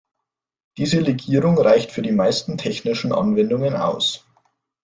Diese Legierung reicht für die meisten technischen Anwendungen aus.